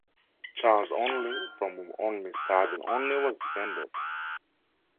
Charles Onley, from whom Onley Savill-Onley was descended.